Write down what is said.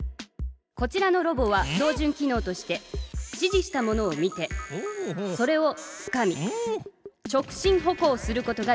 こちらのロボは標じゅん機のうとして指じしたものを見てそれをつかみ直進歩行することができる！